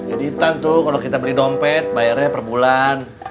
editan tuh kalau kita beli dompet bayarnya per bulan